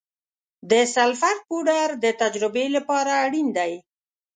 د سلفر پوډر د تجربې لپاره اړین دی.